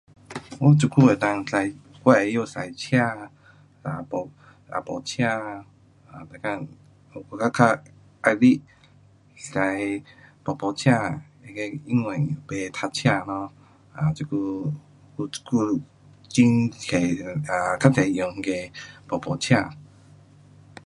我这久能够驾，我会晓驾车，若没，若没车，um 一天我较，较喜欢驾噗噗车，那个因为甭塞车 um 这久，这久很多，um 较多用那个噗噗车。